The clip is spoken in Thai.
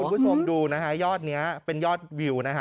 คุณผู้ชมดูนะฮะยอดนี้เป็นยอดวิวนะฮะ